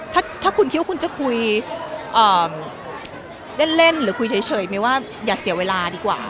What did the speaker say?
ถ้าคุณคิดว่าคุณจะคุยเล่นหรือคุยเฉยเมยว่าอย่าเสียเวลาดีกว่า